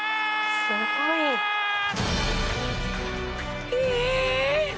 「すごい」えっ！